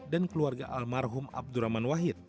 dan keluarga almarhum abdurrahman wahid